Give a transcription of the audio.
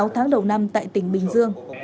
sáu tháng đầu năm tại tỉnh bình dương